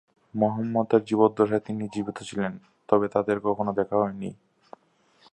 মুহাম্মদ এর জীবদ্দশায় তিনি জীবিত ছিলেন তবে তাদের কখনো দেখা হয়নি।